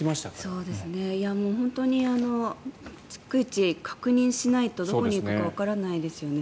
本当に逐一確認しないとどこに行くかわからないですよね。